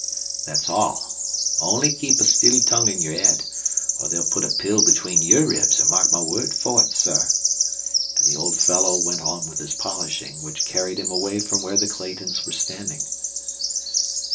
"That's all, only keep a still tongue in yer 'ead, or they'll put a pill between yer ribs, an' mark my word for it, sir," and the old fellow went on with his polishing, which carried him away from where the Claytons were standing.